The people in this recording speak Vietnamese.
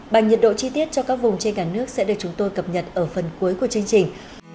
bằng nhiệt độ chi tiết cho các vùng trên cả nước sẽ được chúng tôi cập nhật ở phần cuối của chương trình